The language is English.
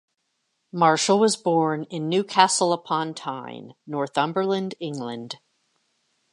Marshall was born in Newcastle upon Tyne, Northumberland, England.